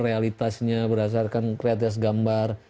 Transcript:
realitasnya berdasarkan kreatif gambar